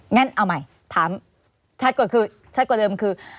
งั้นเอาใหม่ถามชัดกว่าเดิมคือ